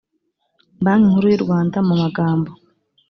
banki nkuru y u rwanda mu magambo